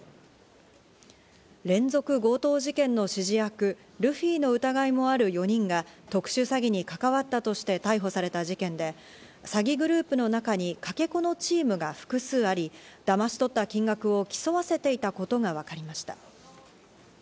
連続強盗事件の指示役、ルフィの疑いもある４人が特殊詐欺に関わったとして逮捕された事件で詐欺グループの中に、かけ子のチームが複数あり、だまし取った金額を競わせていたことがわかりました。